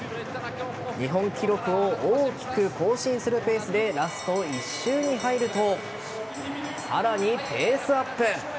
日本記録を大きく更新するペースでラスト１周に入るとさらにペースアップ。